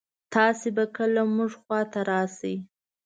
تاسو به کله مونږ خوا ته راشئ